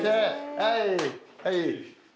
はいはい。